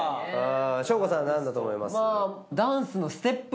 翔吾さん何だと思います？